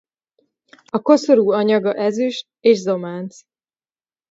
A koszorú anyaga ezüst és zománc.